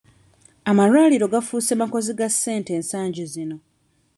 Amalwaliro gaafuuse makozi ga ssente ensangi zino.